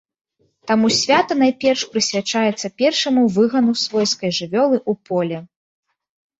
Таму свята найперш прысвячаецца першаму выгану свойскай жывёлы ў поле.